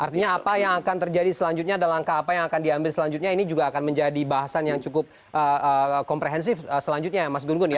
artinya apa yang akan terjadi selanjutnya dan langkah apa yang akan diambil selanjutnya ini juga akan menjadi bahasan yang cukup komprehensif selanjutnya ya mas gun gun ya